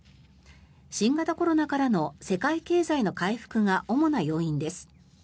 新型コロナからの世界経済の回復が主な要因です。